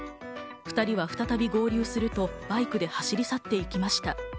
２人は再び合流すると、バイクで走り去って行きました。